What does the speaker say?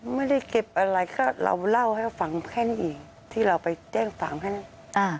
ไม่ได้เก็บอะไรก็เราเล่าให้ฝังแค่นี้อีกที่เราไปแจ้งฝังแค่นี้